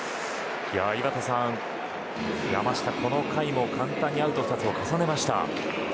井端さん、山下はこの回も簡単にアウト２つを重ねました。